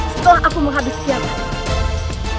setelah aku menghabiskan tiada